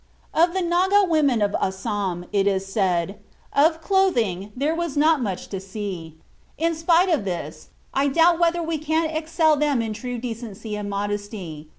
Of the Naga women of Assam it is said: "Of clothing there was not much to see; but in spite of this I doubt whether we could excel them in true decency and modesty.